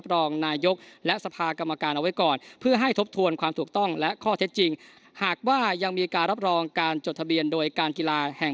รองนายกและสภากรรมการเอาไว้ก่อนเพื่อให้ทบทวนความถูกต้องและข้อเท็จจริงหากว่ายังมีการรับรองการจดทะเบียนโดยการกีฬาแห่ง